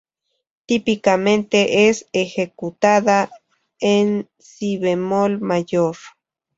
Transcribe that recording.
Típicamente es ejecutada en si bemol mayor.